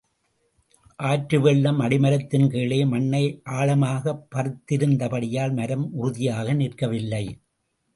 ஆற்று வெள்ளம் அடிமரத்தின் கீழே மண்ணை ஆழமாகப் பறித்திருந்த படியால் மரம் உறுதியாக நிற்கவில்லை.